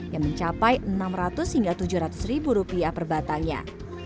yang mencapai rp enam ratus tujuh ratus per batangnya